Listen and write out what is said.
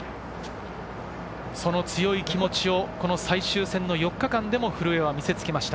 その強い気持ちをこの最終戦の４日間でも古江は見せつけました。